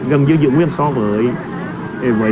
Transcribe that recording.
gần như dự nguyên so với